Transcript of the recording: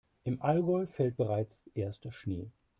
Im Allgäu fällt bereits erster Schnee.